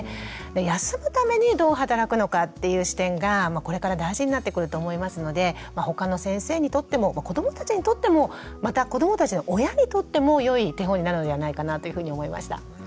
休むためにどう働くのかっていう視点がこれから大事になってくると思いますので他の先生にとっても子どもたちにとってもまた子どもたちの親にとっても良い手本になるのではないかなというふうに思いました。